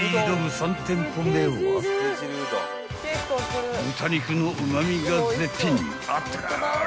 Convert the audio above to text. ３店舗目は豚肉のうま味が絶品あったかい］